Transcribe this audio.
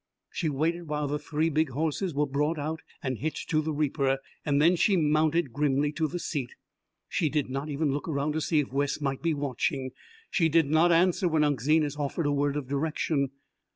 She waited while the three big horses were brought out and hitched to the reaper, and then she mounted grimly to the seat. She did not even look around to see if Wes might be watching. She did not answer when Unc' Zenas offered a word of direction.